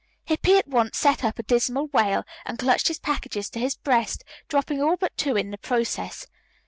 Hippy at once set up a dismal wail, and clutched his packages to his breast, dropping all but two in the process.